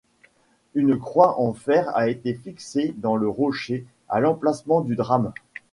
Une croix en fer a été fixée dans le rocher à l’emplacement du drame.